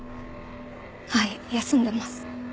はい休んでます。